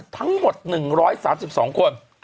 ทั้งหมด๑๓๒คน